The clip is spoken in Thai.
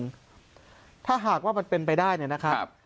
พี่น้องประชาชนถ้าหากว่ามันเป็นไปได้เนี่ยนะครับ